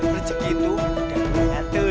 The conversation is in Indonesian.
rezeki itu udah diatur